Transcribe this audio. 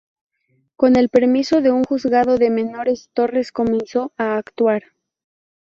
Con el permiso de un juzgado de menores, Torres comenzó a actuar.